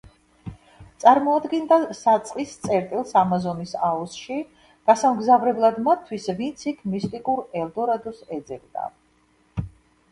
წარმოადგენდა საწყის წერტილს ამაზონის აუზში გასამგზავრებლად მათთვის, ვინც იქ მისტიკურ ელდორადოს ეძებდა.